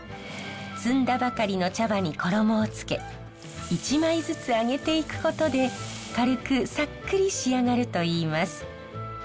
摘んだばかりの茶葉に衣をつけ１枚ずつ揚げていくことで軽くさっくり仕上がるといいます。